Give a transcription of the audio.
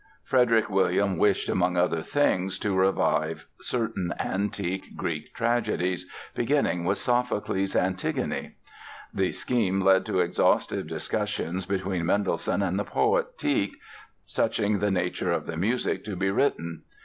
Frederick William wished, among other things, to revive certain antique Greek tragedies, beginning with Sophocles' "Antigone". The scheme led to exhaustive discussions between Mendelssohn and the poet, Tieck, touching the nature of the music to be written.